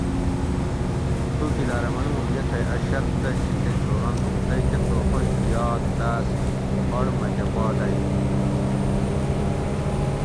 څوکیداۤرہ منو اوں یہ تھئی ا شرط دہ شیکہ چھورنت اوں تئی کہ تحفہ گھیات تاۤس اڑ مکہ پا دئی